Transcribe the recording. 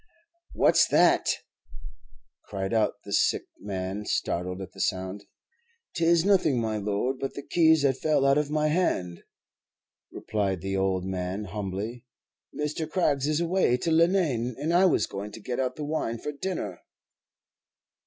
"What's that?" cried out the sick man, startled at the sound. "'Tis nothing, my lord, but the keys that fell out of my hand," replied the old man, humbly. "Mr. Craggs is away to Leenane, and I was going to get out the wine for dinner."